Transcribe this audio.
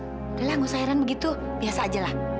udah lah gak usah heran begitu biasa aja lah